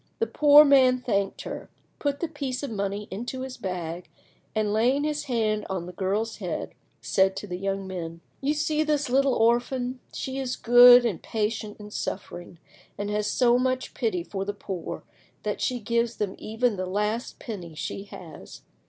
The poor man thanked her, put the piece of money into his bag, and, laying his hand on the girl's head, said to the young men— "You see this little orphan; she is good and patient in suffering, and has so much pity for the poor that she gives them even the last penny she has.